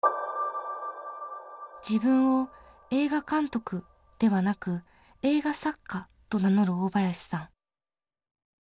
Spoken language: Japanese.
自分を「映画監督」ではなく「映画作家」と名乗る大林さん。